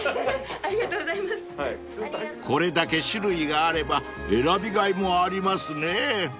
［これだけ種類があれば選びがいもありますね］